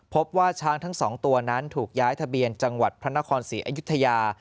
พบว่าช้างทั้งสองตัวนั้นถูกย้ายทะเบียนจังหวัดพระนครศรีอยุธยา